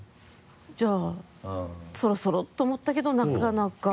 じゃあそろそろと思ったけどなかなか。